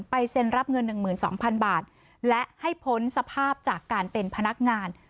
เซ็นรับเงิน๑๒๐๐๐บาทและให้พ้นสภาพจากการเป็นพนักงาน